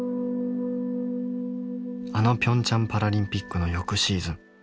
あのピョンチャンパラリンピックの翌シーズン。